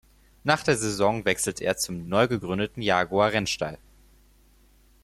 Nach der Saison wechselte er zum neu gegründeten Jaguar-Rennstall.